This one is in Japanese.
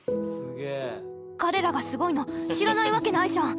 彼らがすごいの知らないわけないじゃん！